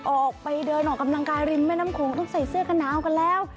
ออกไปเดินออกกำลังกายริมแม่น้ำโขงต้องใส่เสื้อกันหนาวกันแล้ว